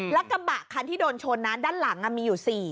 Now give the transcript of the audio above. แล้วกระบะคันที่โดนชนนะด้านหลังมีอยู่๔